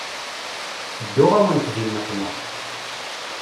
Tedduɣ-awent di nneqma.